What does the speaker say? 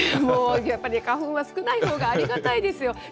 もう、やっぱり花粉は少ないほうがありがたいですよ。